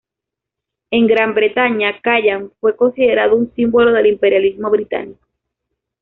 En Gran Bretaña, Callan fue considerado un símbolo del imperialismo británico.